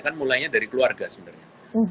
kan mulainya dari keluarga sebenarnya